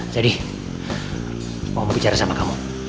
jadi mau bicara sama kamu